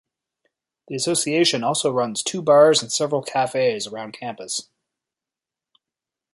The Association also runs two bars and several cafes around campus.